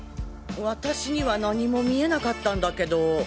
私には何も見えなかったんだけど。